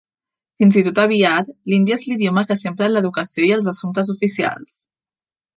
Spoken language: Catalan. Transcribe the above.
Fins i tot a Bihar, l'hindi és l'idioma que s'empra en l'educació i els assumptes oficials.